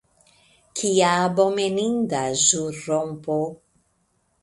Kia abomeninda ĵurrompo!